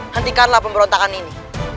hentikanlah pemberontakan ini